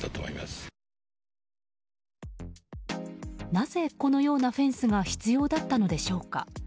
なぜ、このようなフェンスが必要だったのでしょうか。